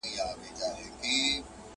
له ازل څخه یې لار نه وه میندلې،